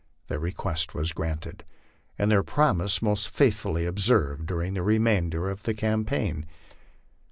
Their re quest was granted, and their promise most faithfully observed during tke re mainder of the campaign.